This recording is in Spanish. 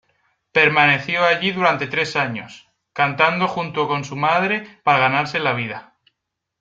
Permaneció allí durante tres años, cantando junto con su madre para ganarse la vida.